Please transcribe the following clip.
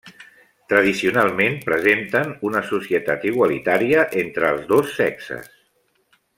Tradicionalment presenten una societat igualitària entre els dos sexes.